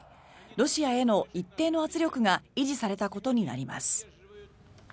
ロシアへの一定の圧力が維持されたことになります。